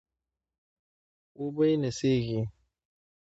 وبه يې نڅېږي